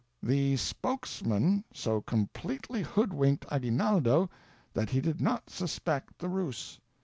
"The spokesman so completely hoodwinked Aguinaldo that he did not suspect the ruse.